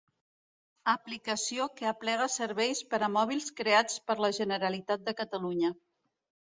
Aplicació que aplega serveis per a mòbils creats per la Generalitat de Catalunya.